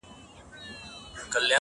پرون یې بیا له هغه ښاره جنازې وایستې،